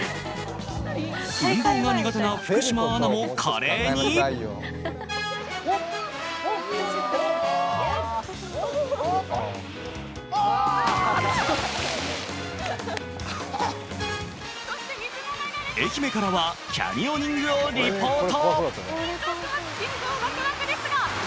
運動が苦手な福島アナも華麗に愛媛からはキャニオニングをリポート。